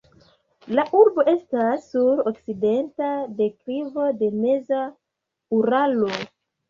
La urbo estas sur okcidenta deklivo de meza Uralo.